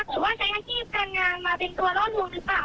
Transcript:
หรือว่าใช้อาชีพการงานมาเป็นตัวล่อลวงหรือเปล่า